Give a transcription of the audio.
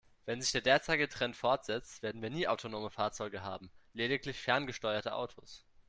Wenn sich der derzeitige Trend fortsetzt, werden wir nie autonome Fahrzeuge haben, lediglich ferngesteuerte Autos.